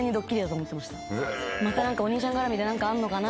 またお兄ちゃん絡みで何かあんのかな？